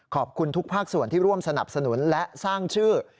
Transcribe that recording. ขอบคุณทุกภาคส่วนที่ร่วมสนับสนุนและสร้างชื่อ